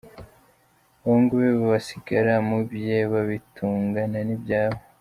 Abahungu be basigara mu bye babitungana n’ibyabo.